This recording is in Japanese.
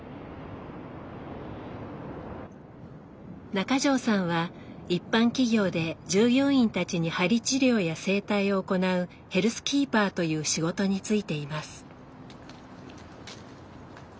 中条さんは一般企業で従業員たちに鍼治療や整体を行うヘルスキーパーという仕事に就いています。